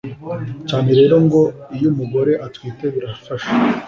cyane rero ngo iyo umugore atwite birafasha